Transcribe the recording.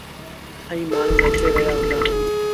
ائيٚݩ مآڻهوٚݩ نچي رهيآ هُݩدآ۔